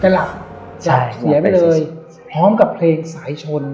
ก็หลับเสียไปเลยพร้อมกับเพลงสายชน